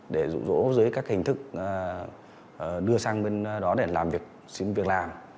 để rụ rỗ dưới các hình thức đưa sang bên đó để làm việc xin việc làm